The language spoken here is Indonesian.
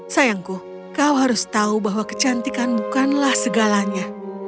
sayangku kau harus tahu bahwa kecantikan bukanlah segalanya